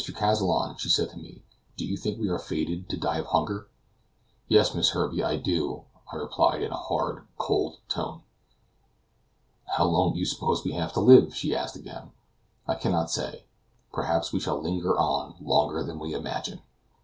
Kazallon," she said to me, "do you think we are fated to die of hunger?" "Yes, Miss Herbey, I do," I replied, in a hard, cold tone. "How long do you suppose we have to live?" she asked again. "I cannot say; perhaps we shall linger on longer than we imagine."